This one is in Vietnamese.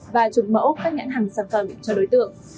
và chục mẫu các nhãn hàng sản phẩm cho đối tượng